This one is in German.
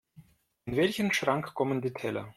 In welchen Schrank kommen die Teller?